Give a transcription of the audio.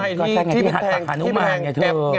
ใช่ที่เป็นแผงแก๊ปไง